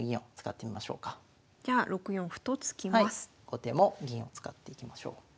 後手も銀を使っていきましょう。